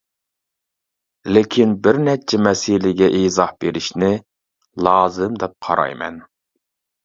لېكىن بىر نەچچە مەسىلىگە ئىزاھ بېرىشنى لازىم دەپ قارايمەن.